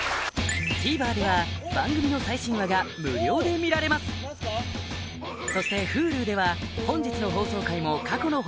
ＴＶｅｒでは番組の最新話が無料で見られますそしてＨｕｌｕでは本日の放送回も過去の放送回もいつでもどこでも見られます